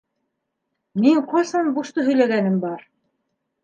Мин ҡасан бушты һөйләгәнем бар?